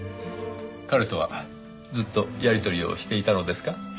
彼とはずっとやり取りをしていたのですか？